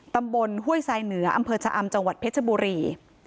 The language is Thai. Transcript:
ห้วยทรายเหนืออำเภอชะอำจังหวัดเพชรบุรี